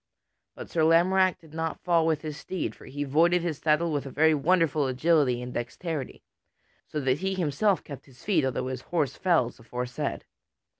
But Sir Lamorack did not fall with his steed; for he voided his saddle with a very wonderful agility and dexterity, so that he himself kept his feet, although his horse fell as aforesaid.